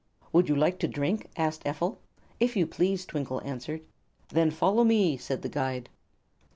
"Would you like to drink?" asked Ephel. "If you please," Twinkle answered. "Then follow me," said the guide.